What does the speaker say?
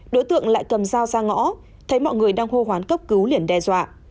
đối tượng lại cầm dao ra ngõ thấy mọi người đang hô hoán cấp cứu liền đe dọa